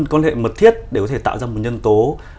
quan hệ mật thiết để có thể tạo ra một nhân tố